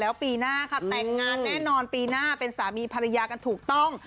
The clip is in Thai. แล้วปีหน้าค่ะแต่งงานแน่นอนปีหน้าเป็นสามีภรรยากันถูกต้อง